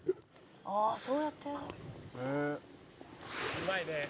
「うまいねえ」